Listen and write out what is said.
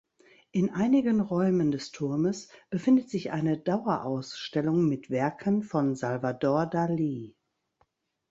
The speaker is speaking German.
In einigen Räumen des Turmes befindet sich eine Dauerausstellung mit Werken von Salvador Dali.